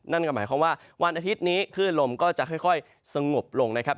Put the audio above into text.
นั่นก็หมายความว่าวันอาทิตย์นี้คลื่นลมก็จะค่อยสงบลงนะครับ